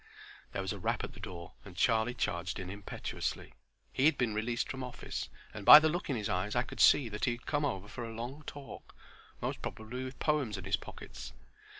There was a rap at the door, and Charlie charged in impetuously. He had been released from office, and by the look in his eyes I could see that he had come over for a long talk; most probably with poems in his pockets.